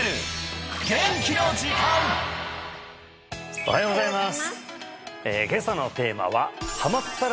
おはようございます